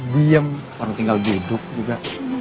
diem orang tinggal duduk juga